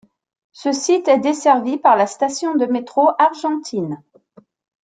Ce site est desservi par la station de métro Argentine.